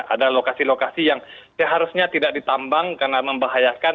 ada lokasi lokasi yang seharusnya tidak ditambang karena membahayakan